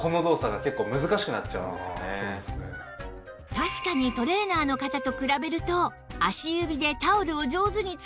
確かにトレーナーの方と比べると足指でタオルを上手につかめていません